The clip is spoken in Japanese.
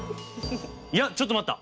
いやちょっと待った！